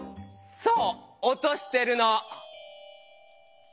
そう落としてるの。